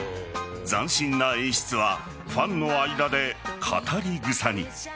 斬新な演出はファンの間で語り草に。